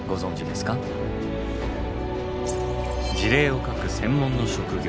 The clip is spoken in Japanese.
辞令を書く専門の職業